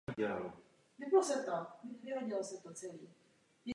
Ta dvacet let byla prázdná a město pro ní nemělo žádné uplatnění.